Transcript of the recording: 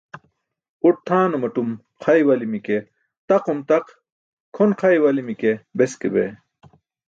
Uṭ tʰaanumatum xa iwali̇mi̇ ke taqum taq, kʰon xa iwali̇mi̇ ke beske bee.